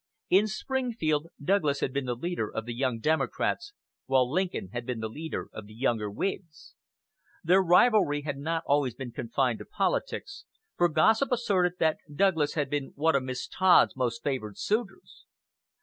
In Springfield, Douglas had been the leader of the young Democrats, while Lincoln had been leader of the younger Whigs. Their rivalry had not always been confined to politics, for gossip asserted that Douglas had been one of Miss Todd's more favored suitors.